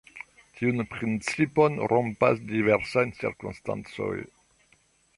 Tiun principon rompas diversaj cirkonstancoj.